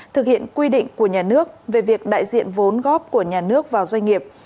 thực hiện quy định của nhà nước về việc đại diện vốn góp của nhà nước vào doanh nghiệp